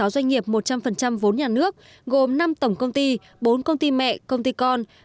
sáu doanh nghiệp một trăm linh vốn nhà nước gồm năm tổng công ty bốn công ty mẹ công ty con